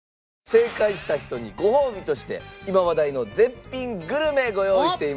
正解した人にごほうびとして今話題の絶品グルメご用意しています。